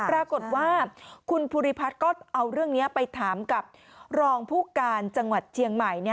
ปรากฏว่าคุณภูริพัฒน์ก็เอาเรื่องนี้ไปถามกับรองผู้การจังหวัดเชียงใหม่